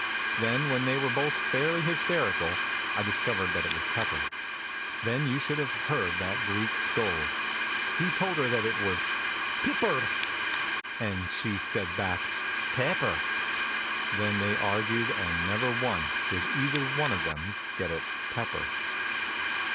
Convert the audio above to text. Then, when they were both fairly hysterical, I discovered that it was pepper. Then you should have heard that Greek scold. He told her that it was "Pip RR." And she said back, "Paeper." Then they argued and never once did either one of them get it "Pepper."